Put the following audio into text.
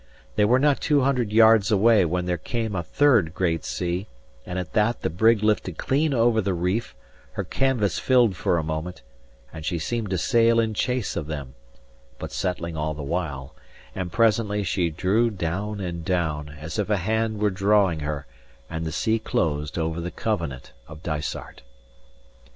They were not two hundred yards away, when there came a third great sea; and at that the brig lifted clean over the reef; her canvas filled for a moment, and she seemed to sail in chase of them, but settling all the while; and presently she drew down and down, as if a hand was drawing her; and the sea closed over the Covenant of Dysart.